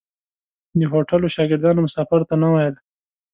د هوټلو شاګردانو مسافرو ته نه ویل.